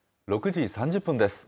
６時３０分です。